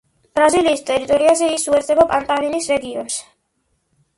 ბრაზილიის ტერიტორიაზე ის უერთდება პანტანალის რეგიონს.